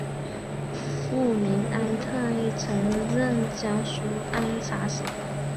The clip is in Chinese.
父明安泰曾任江苏按察使。